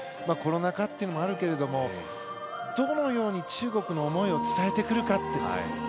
コロナ禍もあるけれどもどのように中国の思いを伝えてくるかって。